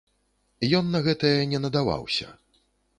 Ён на гэтае не надаваўся.